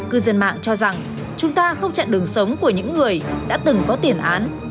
cư dân mạng cho rằng chúng ta không chặn đường sống của những người đã từng có tiền án